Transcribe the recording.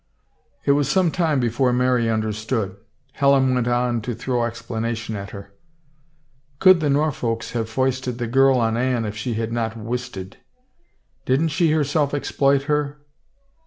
It was some time before Mary understood. Helen went on to throw explanation at her. " Could the Norfolks have foisted the girl on Anne if she had not wisted? Didn't she herself exploit her?